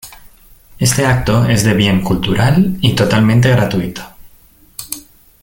Este acto es de bien cultural y totalmente gratuito.